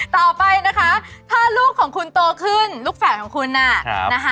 ต่อไปนะคะถ้าลูกของคุณโตขึ้นลูกแฝดของคุณน่ะนะคะ